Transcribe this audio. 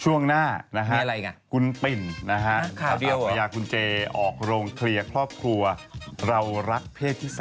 ช่วงหน้านะฮะคุณปิ่นนะฮะภรรยาคุณเจออกโรงเคลียร์ครอบครัวเรารักเพศที่๓